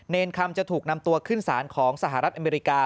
คำจะถูกนำตัวขึ้นศาลของสหรัฐอเมริกา